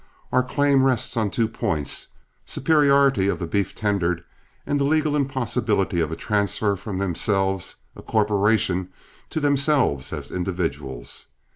Our claims rest on two points, superiority of the beef tendered, and the legal impossibility of a transfer from themselves, a corporation, to themselves as individuals.